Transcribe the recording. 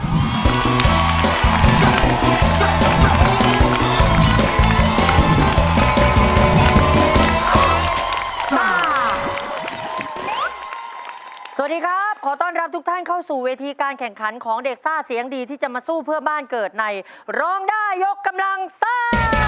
สวัสดีครับขอต้อนรับทุกท่านเข้าสู่เวทีการแข่งขันของเด็กซ่าเสียงดีที่จะมาสู้เพื่อบ้านเกิดในร้องได้ยกกำลังซ่า